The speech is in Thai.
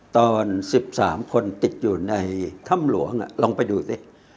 ตอน๑๓คนติดอยู่ในถ้ำหลวงลองไปดูสิ